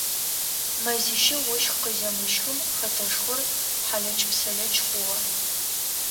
Мэзищэ ощх къыземыщхым хэтэшхор хьалэч-псэлэч хъугъэ.